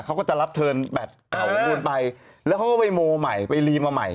เขาก็จะรับเทิร์นแบตเต่าของคุณไปแล้วเขาก็ไปโมใหม่ไปรีมาใหม่